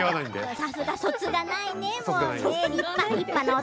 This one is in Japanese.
さすが、そつがないね。